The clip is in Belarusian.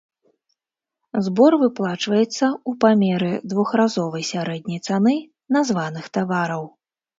Збор выплачваецца ў памеры двухразовай сярэдняй цаны названых тавараў.